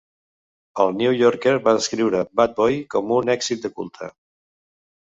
"El New Yorker" va descriure "Bat Boy" com un "èxit de culte".